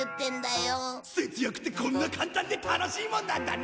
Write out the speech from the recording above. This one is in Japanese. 節約ってこんな簡単で楽しいもんなんだな！